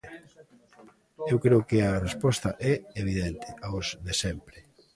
Eu creo que a resposta é evidente: aos de sempre.